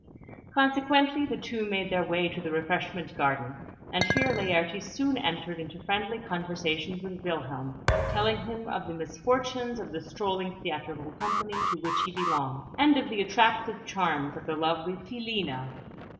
Consequently, the two made their way to the refreshment gardens; and here Laertes soon entered into friendly conversation with Wilhelm, telling him of the misfortunes of the strolling theatrical company to which he belonged, and of the attractive charms of the lively Filina.